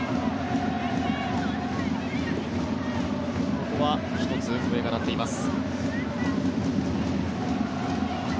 ここは１つ、笛が鳴っています。